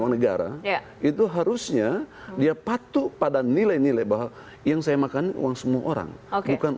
uang negara itu harusnya dia patuh pada nilai nilai bahwa yang saya makan uang semua orang bukan